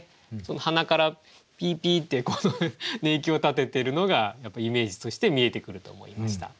鼻からピーピーって寝息を立ててるのがイメージとして見えてくると思いました。